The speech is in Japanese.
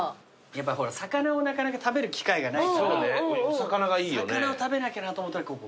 やっぱほら魚をなかなか食べる機会がないから魚を食べなきゃなと思ったらここ来て。